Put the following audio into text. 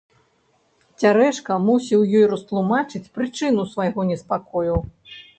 Цярэшка мусіў ёй растлумачыць прычыну свайго неспакою.